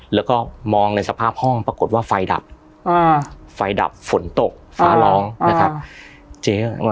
แล้วก็มองในสภาพห้องปรากฏว่าไฟดับไฟดับฝนตกฟ้าร้องนะครับ